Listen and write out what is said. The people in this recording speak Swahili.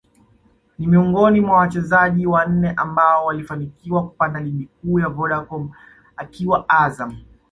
ni miongoni mwa wachezaji wanne ambao walifanikiwa kupanda Ligi Kuu ya Vodacom akiwa Azam